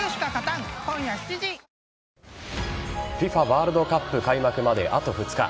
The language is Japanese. ワールドカップ開幕まであと２日。